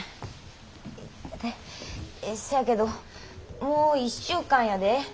せやけどもう１週間やで。